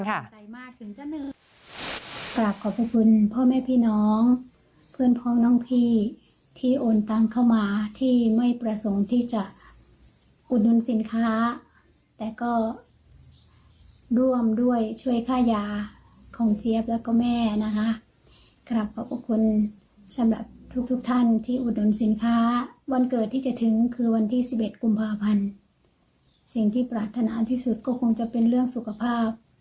เดี๋ยวไปฟังเสียงพี่เจี๊ยบกันค่ะ